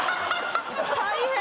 ・大変！